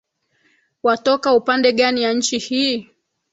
Watoka upande gani ya nchi hii?